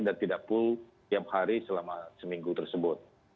dan tidak full tiap hari selama seminggu tersebut